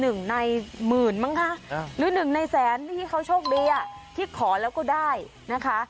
หนึ่งในหมื่นมั้งคะหรือหนึ่งในแสนที่เขาโชคดีอ่ะที่ขอแล้วก็ได้นะคะ